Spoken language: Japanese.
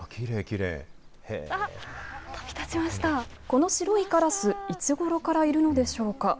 この白いカラス、いつごろからいるのでしょうか。